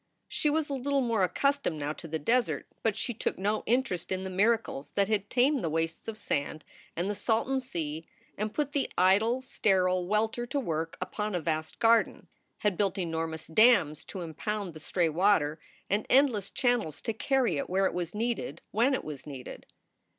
She was a little more accustomed now to the desert, but she took no interest in the miracles that had tamed the wastes of sand and the Salton Sea and put the idle, sterile SOULS FOR SALE 121 welter to work upon a vast garden; had built enormous dams to impound the stray water, and endless channels to carry it where it was needed when it was needed.